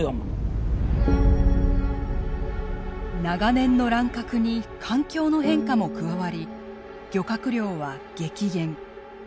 長年の乱獲に環境の変化も加わり漁獲量は激減。